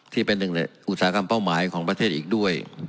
ที่เป็นหนึ่งในอุตสาหกรรมเป้าหมายของประเทศอีกด้วย